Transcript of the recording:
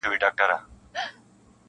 چي تر سترګو یې توییږي لپي ویني -